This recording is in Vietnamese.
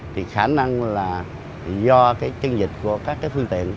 thì khả năng là do cái chân dịch của các cái phương tiện